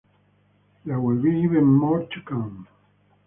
There will be even more to come.